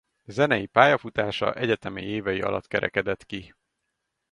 Zenei pályafutása egyetemi évei alatt kerekedett ki!